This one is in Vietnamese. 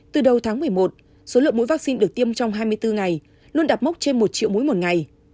từ đầu tháng một mươi một số lượng mũi vaccine được tiêm trong hai mươi bốn ngày luôn đạt mốc trên một triệu mũi một ngày